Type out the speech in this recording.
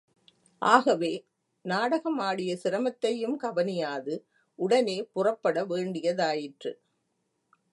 ஆகவே, நாடகமாடிய சிரமத்தையும் கவனியாது, உடனே புறப்பட வேண்டியதாயிற்று.